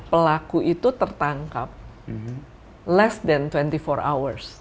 pelaku itu tertangkap less than dua puluh empat hours